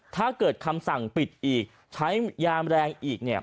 ถ้าเกิดคำสั่งปิดอีกใช้ยามแรงอีกเนี่ย